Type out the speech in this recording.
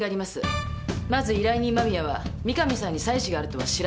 まず依頼人間宮は三神さんに妻子があるとは知らなかった。